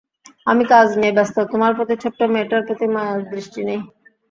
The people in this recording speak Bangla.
আমি কাজ নিয়ে ব্যস্ত, তোমার প্রতি, ছোট্ট মেয়েটার প্রতি মায়ার দৃষ্টি নেই।